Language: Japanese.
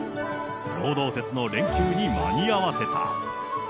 労働節の連休に間に合わせた。